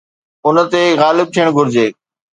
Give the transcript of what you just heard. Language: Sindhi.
ان تي غالب ٿيڻ گهرجي.